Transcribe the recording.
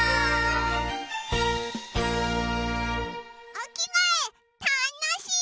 おきがえたのしい！